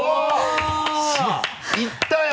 いったよ！